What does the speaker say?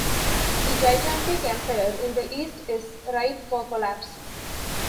The gigantic empire in the East is ripe for collapse.